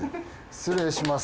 失礼します。